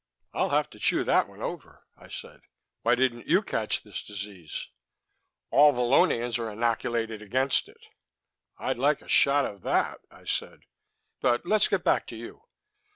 "I'll have to chew that one over," I said. "Why didn't you catch this disease?" "All Vallonians are innoculated against it." "I'd like a shot of that," I said. "But let's get back to you."